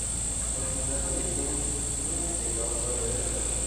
با کیسههای شن جلو سیلاب را گرفتن